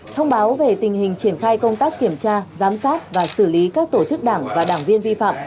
thông báo về tình hình triển khai công tác kiểm tra giám sát và xử lý các tổ chức đảng và đảng viên vi phạm